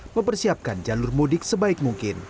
mempersiapkan jalur mudik sebaik mungkin